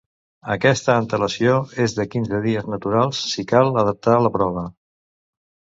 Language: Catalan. Aquesta antelació és de quinze dies naturals si cal adaptar la prova.